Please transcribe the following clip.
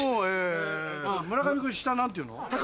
村上君下何ていうの？